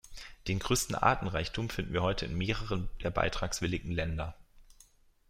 Den größten Artenreichtum finden wir heute in mehreren der beitrittswilligen Länder.